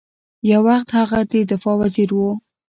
یو وخت هغه د دفاع وزیر ؤ